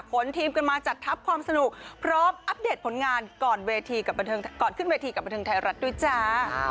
ขอนทีมกลับมาจัดทับความสนุกพร้อมอัปเดตผลงานก่อนเวทีกับบรรเทิงสุดท้ายรัชด้วยจ้า